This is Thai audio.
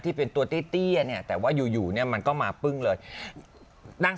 ที่เป็นตัวเตี้ยเนี่ยแต่ว่าอยู่เนี่ยมันก็มาปึ้งเลยนั่ง